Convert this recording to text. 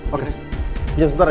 oke pinjam sebentar ya